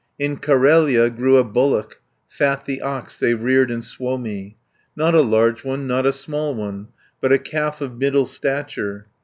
In Carelia grew a bullock, Fat the ox they reared in Suomi, Not a large one, not a small one, But a calf of middle stature.